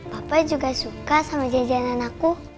papa juga suka sama jajanan aku